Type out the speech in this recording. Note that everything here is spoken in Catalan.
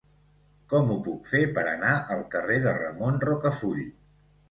Com ho puc fer per anar al carrer de Ramon Rocafull?